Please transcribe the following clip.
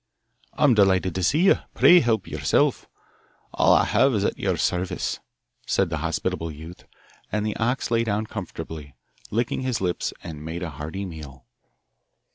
'I'm delighted to see you. Pray help yourself. All I have is at your service,' said the hospitable youth. And the ox lay down comfortably, licking his lips, and made a hearty meal.